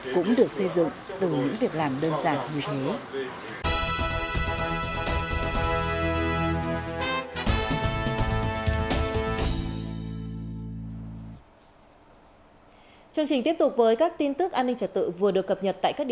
cũng được xây dựng từ những việc làm đơn giản như thế